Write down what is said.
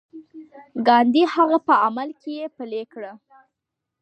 ګاندي هغه په عمل کې پلي کړه.